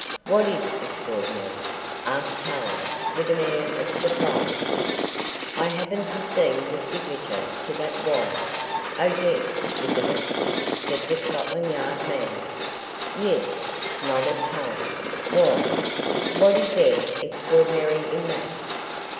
"What is extraordinary?" asked Tarling with an air of surprise. "I happened to see the signature to that wire 'Odette,' isn't it?" said the Scotland Yard man. "Yes," nodded Tarling. "Why? What is there extraordinary in that?"